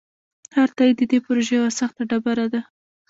هر تایید د دې پروژې یوه سخته ډبره ده.